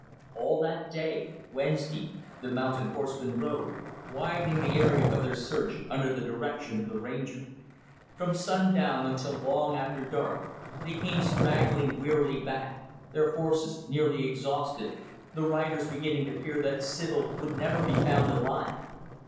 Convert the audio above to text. All that day Wednesday the mountain horsemen rode, widening the area of their search under the direction of the Ranger. From sundown until long after dark, they came straggling wearily back; their horses nearly exhausted, the riders beginning to fear that Sibyl would never be found alive.